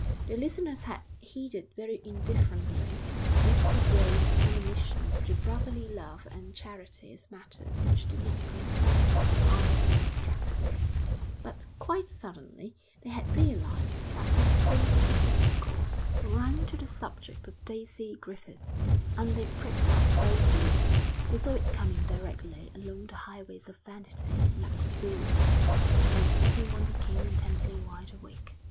The listeners had heeded very indifferently Mr Gray's admonitions to brotherly love and charity as matters which did not concern them other than abstractedly; but quite suddenly they had realised that he was bringing his discourse round to the subject of Daisy Griffith, and they pricked up both ears. They saw it coming directly along the highways of Vanity and Luxuriousness; and everyone became intensely wide awake.